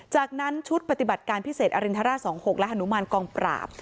จากนั้นชุดปฏิบัติการพิเศษอรินทราช๒๖และฮนุมานกองปราบ